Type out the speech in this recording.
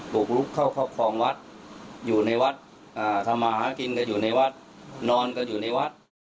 บุกรุกเข้าคลองวัดอยู่ในวัดอ่าธรรมากินก็อยู่ในวัดนอนก็อยู่ในวัด